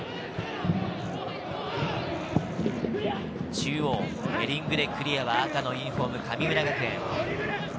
中央、ヘディングでクリアは赤のユニホーム・神村学園。